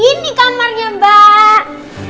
ini kamarnya mbak